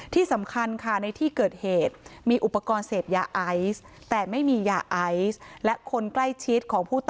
ที่สำคัญในที่เกิดเหตุมีอุปกรณ์เสพยาไอซ์แต่ไม่มียาไอซ์